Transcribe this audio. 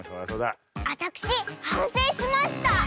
あたくしはんせいしました！